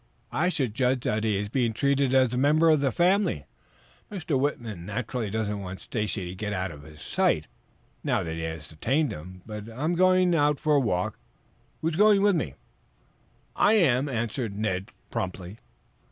I should judge that he is being treated as a member of the family. Mr. Whitman naturally doesn't want Stacy to get out of his sight, now that he has detained him. Well, I'm going out for a walk. Who is going with me?" "I am," answered Ned promptly.